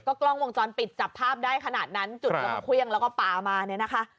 กล้องวงจรปิดจับภาพได้ขนาดนั้นจุดแล้วมาเครื่องแล้วก็ป่ามาเนี่ยนะคะ